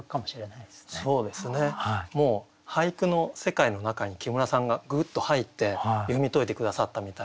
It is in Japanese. そうですねもう俳句の世界の中に木村さんがグッと入って読み解いて下さったみたいな。